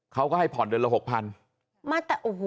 เขาก็ให้ผ่อนเดือนละ๖๐๐๐